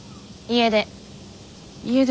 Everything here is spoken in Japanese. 家出。